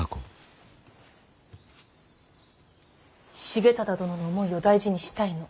重忠殿の思いを大事にしたいの。